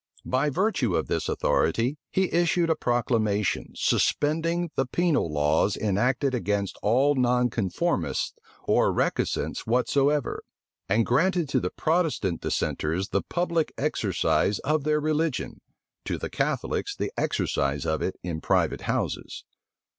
By virtue of this authority, he issued a proclamation, suspending the penal laws enacted against all nonconformists or recusants whatsoever; and granting to the Protestant dissenters the public exercise of their religion, to the Catholics the exercise of it in private houses.